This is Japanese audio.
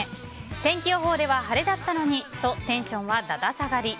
天気予報では晴れだったのにとテンションはだだ下がり。